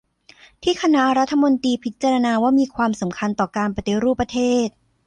ที่คณะรัฐมนตรีพิจารณาว่ามีความสำคัญต่อการปฏิรูปประเทศ